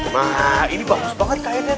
wah ini bagus banget kainnya nih